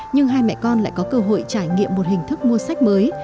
nhưng hai mẹ con lại có cơ hội trải nghiệm một hình thức mua sách mới